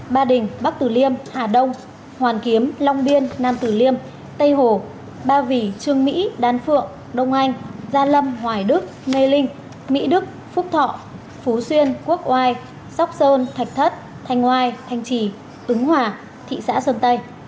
ba đình bắc tử liêm hà đông hoàn kiếm long biên nam tử liêm tây hồ ba vì trương mỹ đan phượng đông anh gia lâm hoài đức lê linh mỹ đức phúc thọ phú xuyên quốc oai sóc sơn thạch thất thanh oai thanh trì ứng hòa thị xã sơn tây